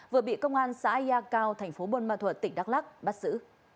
vừa bị công an xã yà cao thành phố bôn ma thuật tỉnh đắk lắc bắt xử